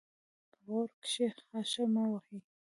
په غوږ کښي خاشه مه وهه!